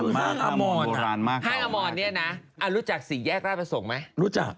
มันวอนนะย่าอยากโดนใช่ไหมยากโดนส่วนตัวนะ